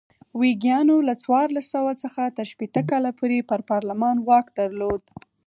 ویګیانو له څوارلس سوه څخه تر شپېته کاله پورې پر پارلمان واک درلود.